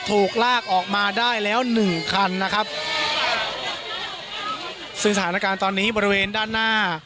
ถูกลากออกมาได้แล้วหนึ่งคันนะครับซึ่งสถานการณ์ตอนนี้บริเวณด้านหน้า